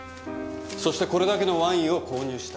そしてこれだけのワインを購入した。